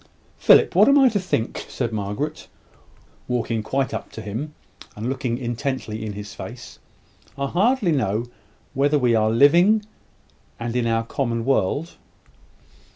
"Philip, what am I to think?" said Margaret, walking quite up to him, and looking intently in his face. "I hardly know whether we are living, and in our common world."